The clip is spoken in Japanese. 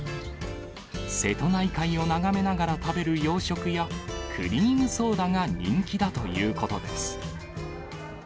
瀬戸内海を眺めながら食べる洋食やクリームソーダが人気だということです。